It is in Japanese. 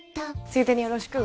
ついでによろしく！